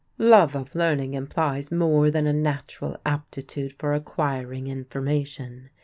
Love of learning implies more than a natural aptitude for acquiring information.